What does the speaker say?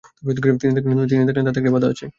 তিনি দেখলেন, তাতে একটি চিঠি বাধা।